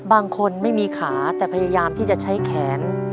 ไม่มีขาแต่พยายามที่จะใช้แขน